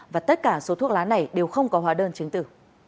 và tất cả số thuốc lá này đều không có hóa đơn chứng tử